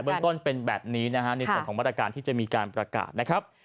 เรื่องต้นเป็นแบบนี้นะฮะในส่วนของมาตรการที่จะมีการประกาศนะครับ